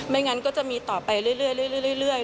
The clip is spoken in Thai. งั้นก็จะมีต่อไปเรื่อย